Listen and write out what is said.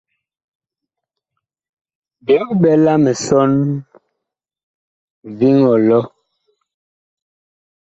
Big ɓɛla misɔn viŋ ɔlɔ.